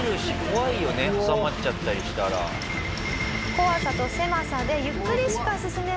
「怖さと狭さでゆっくりしか進めません」